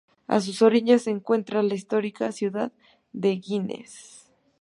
A sus orillas se encuentra la histórica ciudad de Güines.